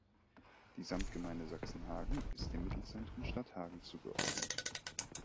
Die Samtgemeinde Sachsenhagen ist dem Mittelzentrum Stadthagen zugeordnet.